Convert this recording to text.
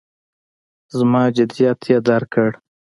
زما جدیت یې درک کړ.